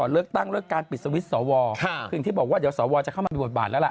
เลือกตั้งเลิกการปิดสวิตช์สวคืออย่างที่บอกว่าเดี๋ยวสวจะเข้ามามีบทบาทแล้วล่ะ